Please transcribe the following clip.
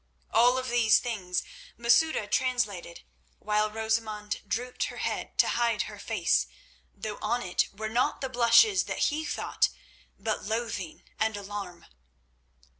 All of these things Masouda translated, while Rosamund dropped her head to hide her face, though on it were not the blushes that he thought, but loathing and alarm.